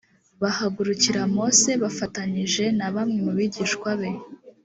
bahagurukira mose bafatanije na bamwe mu bigishwa be